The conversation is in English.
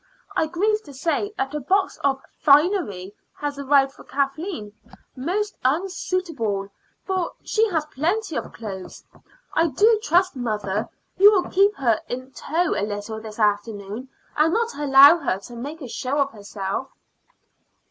I grieve to say that a box of finery has arrived for Kathleen most unsuitable, for she has plenty of clothes. I do trust, mother, you will keep her in tow a little this afternoon, and not allow her to make a show of herself."